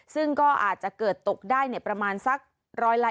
ซึ่งก็อาจจะเกิดตกได้นะประมาณสัก๑๐๐ละ๒๐